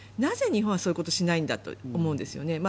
なぜ日本はそういうことをしないんだと思うんですよね。